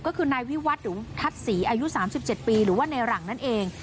ก็คือนายวิวัฒน์หรือทัศน์ศรีอายุ๓๗ปีหรือว่าในหลังนั่นเอง